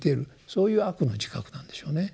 そういう悪の自覚なんでしょうね。